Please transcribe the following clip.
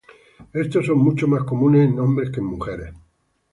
Estos son mucho más comunes en hombres que en mujeres.